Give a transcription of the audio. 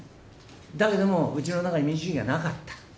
だけども、うちの中に民主主義がなかった。